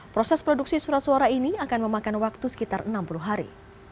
proses produksi surat suara ini akan memakan waktu sekitar enam puluh hari